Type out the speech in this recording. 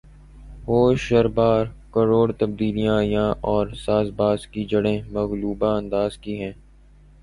ہوشربا کڑوی تبدیلیاں عیاں اور سازباز کی جڑیں ملغوبہ انداز کی ہیں